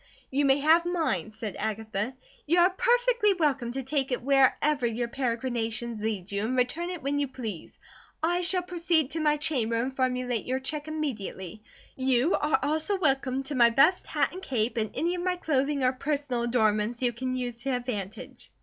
"You may have mine," said Agatha. "You are perfectly welcome to take it wherever your peregrinations lead you, and return it when you please. I shall proceed to my chamber and formulate your check immediately. You are also welcome to my best hat and cape, and any of my clothing or personal adornments you can use to advantage."